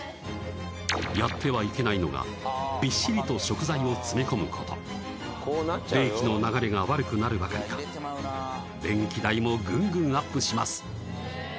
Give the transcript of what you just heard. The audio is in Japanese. やってはいけないのがビッシリと食材を詰め込むこと冷気の流れが悪くなるばかりか電気代もグングンアップします